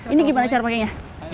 ini gimana cara pakainya